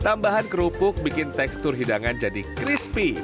tambahan kerupuk bikin tekstur hidangan jadi crispy